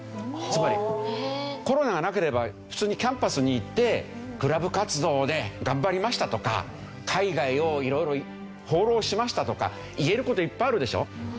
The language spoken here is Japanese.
つまりコロナがなければ普通にキャンパスに行ってクラブ活動をね頑張りましたとか海外を色々放浪しましたとか言える事いっぱいあるでしょ？